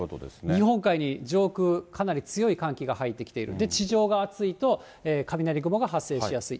日本海に上空かなり強い寒気が入ってきている、地上が暑いと、雷雲が発生しやすい。